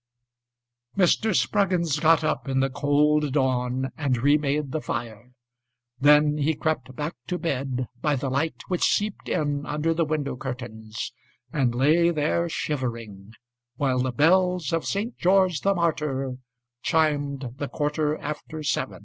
Mr. Spruggins got up in the cold dawnAnd remade the fire. Then he crept back to bedBy the light which seeped in under the window curtains, And lay there, shivering, While the bells of St. George the Martyr chimed the quarter afterseven.